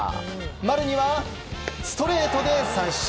丸にはストレートで三振。